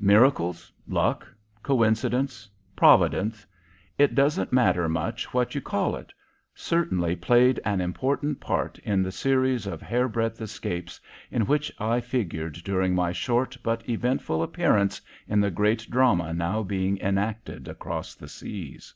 Miracles, luck, coincidence, Providence it doesn't matter much what you call it certainly played an important part in the series of hairbreadth escapes in which I figured during my short but eventful appearance in the great drama now being enacted across the seas.